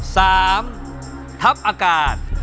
สามทัพอากาศ